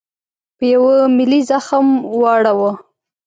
په یوه ملي زخم واړاوه.